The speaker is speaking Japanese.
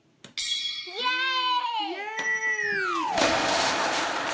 イエーイ！